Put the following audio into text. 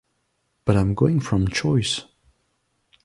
But I'm going from choice!